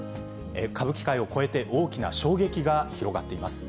歌舞伎界を超えて大きな衝撃が広がっています。